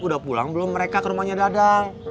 udah pulang belum mereka ke rumahnya dadang